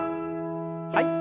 はい。